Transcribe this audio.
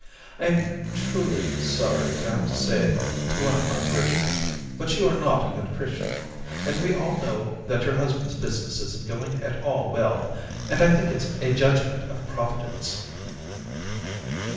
' I am truly sorry to have to say it to one of my parishioners, but you are not a good Christian. And we all know that your hus band's business isn't going at all well, and I think it's a judgment of Providence.'